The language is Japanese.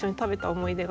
思い出の。